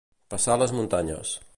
Passar les muntanyes.